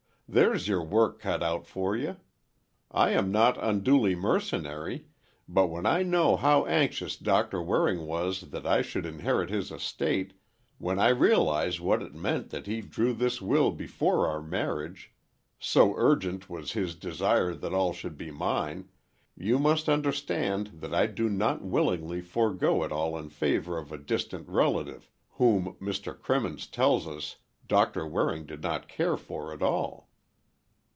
"There's your work cut out for you. I am not unduly mercenary, but when I know how anxious Doctor Waring was that I should inherit his estate, when I realize what it meant that he drew this will before our marriage, so urgent was his desire that all should be mine, you must understand that I do not willingly forego it all in favor of a distant relative, whom, Mr. Crimmins tells us, Doctor Waring did not care for at all."